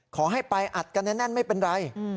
ขอให้ไปอัดกันแน่นไม่เป็นไร